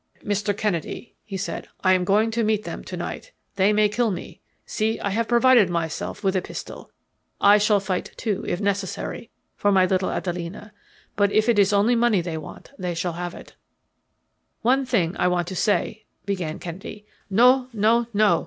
"Mr. Kennedy," he said, "I am going to meet them to night. They may kill me. See, I have provided myself with a pistol I shall fight, too, if necessary for my little Adelina. But if it is only money they want, they shall have it." "One thing I want to say," began Kennedy. "No, no, no!"